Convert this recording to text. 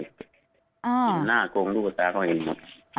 เห็นหน้ากงลูกตาเขาเห็นหมด